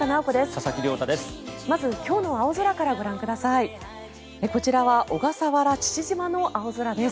佐々木亮太です。